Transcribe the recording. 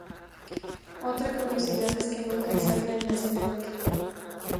Otra curiosidad es que nunca hay sangre en la escena del crimen.